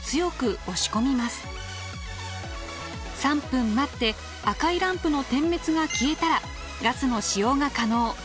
３分待って赤いランプの点滅が消えたらガスの使用が可能。